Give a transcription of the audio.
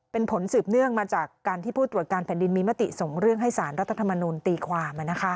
เป็นผลสืบเนื่องมาจากการที่ผู้ตรวจการแผ่นดินมีมติส่งเรื่องให้สารรัฐธรรมนูลตีความ